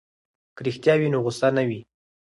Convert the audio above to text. که رښتیا وي نو غوسه نه وي.